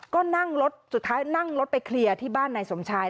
ก็สุดท้ายนั่งรถไปเคลียร์ที่บ้านในสมชาย